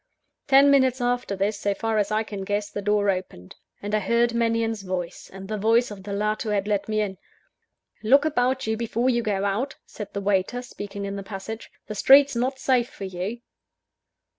Ten minutes after this, so far as I can guess, the door opened; and I heard Mannion's voice, and the voice of the lad who had let me in. "Look about you before you go out," said the waiter, speaking in the passage; "the street's not safe for you."